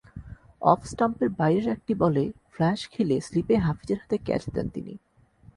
অফস্টাম্পের বাইরের একটি বলে ফ্ল্যাশ খেলে স্লিপে হাফিজের হাতে ক্যাচ দেন তিনি।